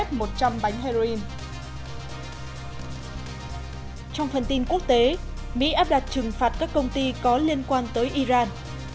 trong phần tin quốc tế mỹ áp đặt trừng phạt các công ty có liên quan tới iran